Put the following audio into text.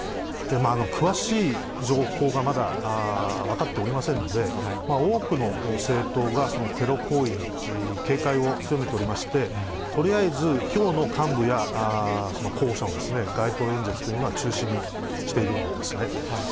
詳しい情報がまだ分かっておりませんので、多くの政党が、テロ行為に警戒を強めておりまして、とりあえず、きょうの幹部や候補者の街頭演説というのは中止にしているんですね。